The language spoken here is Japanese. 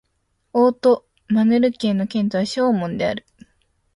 オート＝マルヌ県の県都はショーモンである